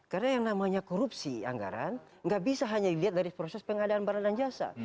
karena yang namanya korupsi anggaran nggak bisa hanya dilihat dari proses pengadaan barang dan jasa